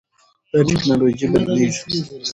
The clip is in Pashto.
دا ټکنالوژي بدلېږي.